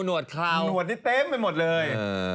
หนวดที่เต็มไปหมดเลย